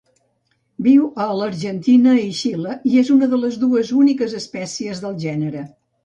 Viu a l'Argentina i Xile, i és una de les dues úniques espècies del gènere.